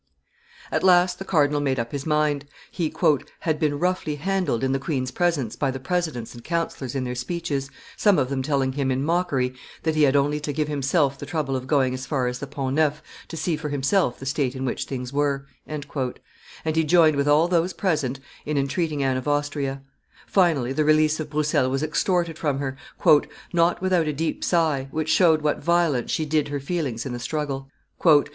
] At last the cardinal made up his mind; he "had been roughly handled in the queen's presence by the presidents and councillors in their speeches, some of them telling him, in mockery, that he had only to give himself the trouble of going as far as the Pont Neuf to see for himself the state in which things were," and he joined with all those present in entreating Anne of Austria; finally, the release of Broussel was extorted from her, "not without a deep sigh, which showed what violence she did her feelings in the struggle."